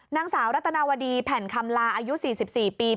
นางสาวรัตนาวดีแผ่นคำลาอายุ๔๔ปี